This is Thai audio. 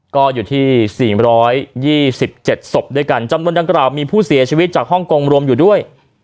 ก็อยู่ที่๔๒๗ศพด้วยกันจำนวนดังกล่าวมีผู้เสียชีวิตจากฮ่องกงรวมอยู่ด้วย